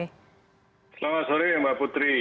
selamat sore mbak putri